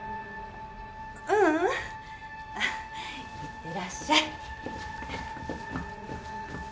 ううん。いってらっしゃい。